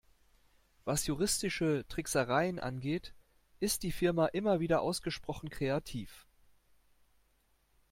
Was juristische Tricksereien angeht, ist die Firma immer wieder ausgesprochen kreativ.